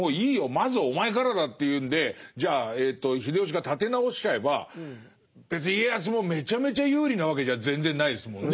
まずお前からだっていうんでじゃあ秀吉が立て直しちゃえば別に家康もめちゃめちゃ有利なわけじゃ全然ないですもんね。